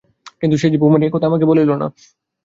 কিন্তু, সে যে কুমারী এ কথা আমাকে এ বলিল।